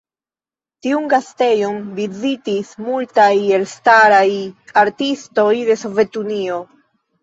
Tiun gastejon vizitis multaj elstaraj artistoj de Sovetunio.